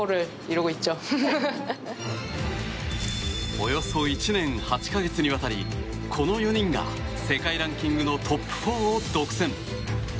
およそ１年８か月にわたりこの４人が世界ランキングのトップ４を独占。